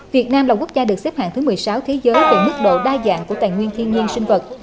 việt nam là quốc gia được xếp hạng thứ một mươi sáu thế giới về mức độ đa dạng của tài nguyên thiên nhiên sinh vật